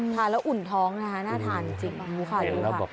ทานแล้วอุ่นท้องนะฮะน่าทานจริง